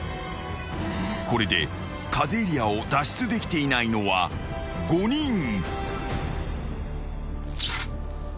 ［これでｋａｚｅエリアを脱出できていないのは５人］